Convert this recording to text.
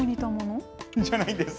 じゃないです。